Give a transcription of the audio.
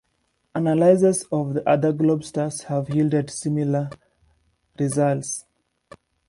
Analyses of other globsters have yielded similar results.